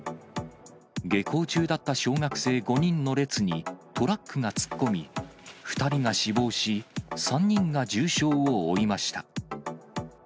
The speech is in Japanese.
下校中だった小学生５人の列にトラックが突っ込み、２人が死亡し、３人が重傷を負いました。